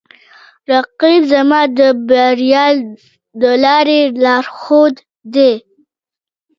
رقیب زما د بریا د لارې لارښود دی